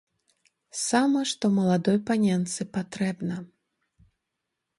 Сама што маладой паненцы патрэбна.